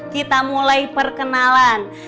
kita mulai perkenalan